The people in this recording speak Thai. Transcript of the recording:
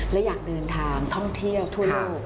และอยากเดินทางท่องเที่ยวทั่วโลก